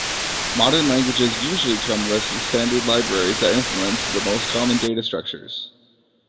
Modern languages usually come with standard libraries that implement the most common data structures.